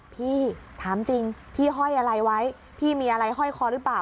พี่ถามจริงพี่ห้อยอะไรไว้พี่มีอะไรห้อยคอหรือเปล่า